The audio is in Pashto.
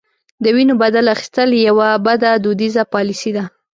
د وینو بدل اخیستل یوه بده دودیزه پالیسي ده.